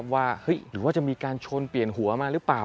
ว่ามีการชนเปลี่ยนหัวหรือเปล่า